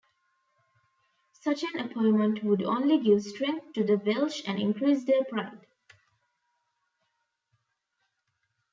Such an appointment would only give strength to the Welsh and increase their pride.